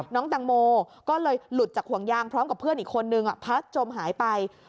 แตงโมก็เลยหลุดจากห่วงยางพร้อมกับเพื่อนอีกคนนึงพลัดจมหายไป